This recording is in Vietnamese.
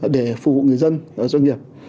để phục vụ người dân doanh nghiệp